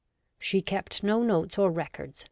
*' She kept no notes or records.